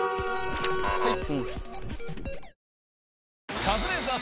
はい。